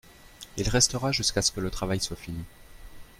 Il restera jusqu’à ce que le travail soit fini.